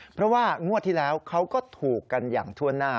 เพราะว่างวดที่แล้วเขาก็ถูกกันอย่างทั่วหน้า